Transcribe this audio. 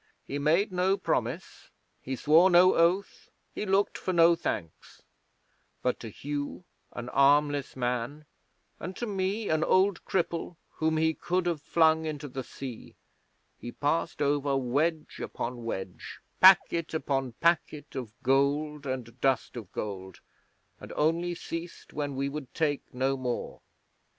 He made no promise; he swore no oath; he looked for no thanks; but to Hugh, an armless man, and to me, an old cripple whom he could have flung into the sea, he passed over wedge upon wedge, packet upon packet of gold and dust of gold, and only ceased when we would take no more.